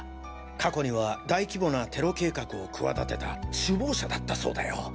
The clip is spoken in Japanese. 過去には大規模なテロ計画を企てた首謀者だったそうだよ。